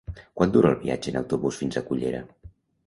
Quant dura el viatge en autobús fins a Cullera?